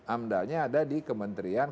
amdalnya ada di kementerian